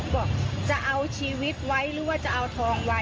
บอกจะเอาชีวิตไว้หรือว่าจะเอาทองไว้